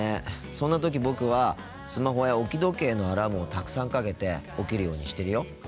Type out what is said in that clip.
そんな時僕はスマホや置き時計のアラームをたくさんかけて起きるようにしてるよ。